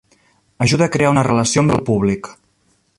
Ajuda a crear una relació amb el públic.